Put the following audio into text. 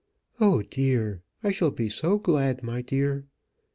"Oh dear, I shall be so glad, my dear.